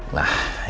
nah ini udah